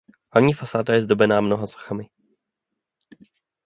Hlavní fasáda je zdobená mnoha sochami.